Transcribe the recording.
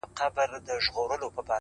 هغه خپه دی” هغه چم د شناخته نه کوي”